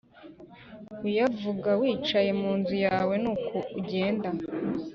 uyavuga wicaye mu nzu yawe n uko ugenda